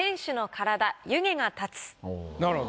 なるほど。